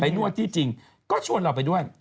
นวดที่จริงก็ชวนเราไปด้วย